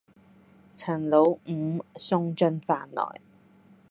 陳老五送進飯來，